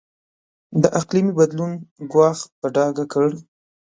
د اقلیمي بدلون ګواښ په ډاګه کړ.